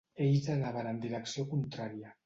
Ells anaven en direcció contrària.